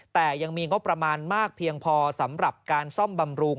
แต่ยังมีงบประมาณมากเพียงพอสำหรับการซ่อมบำรุง